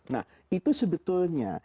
nah itu sebetulnya